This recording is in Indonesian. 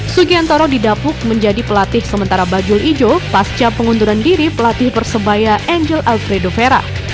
sugiantoro didapuk menjadi pelatih sementara bajul ijo pasca pengunduran diri pelatih persebaya angel alfredo vera